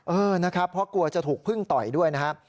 เออนะครับเพราะกลัวจะถูกพึ่งต่อยด้วยนะครับ